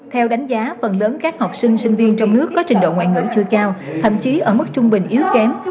theo đánh giá phần lớn các học sinh sinh viên trong nước có trình độ ngoại ngữ chưa cao thậm chí ở mức trung bình yếu kém